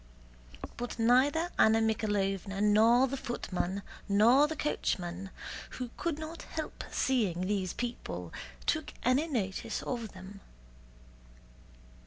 But neither Anna Mikháylovna nor the footman nor the coachman, who could not help seeing these people, took any notice of them.